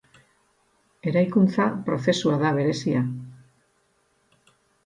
Eraikuntza prozesua da berezia.